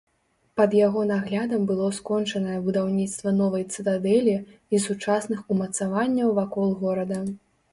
Пад яго наглядам было скончанае будаўніцтва новай цытадэлі і сучасных умацаванняў вакол горада.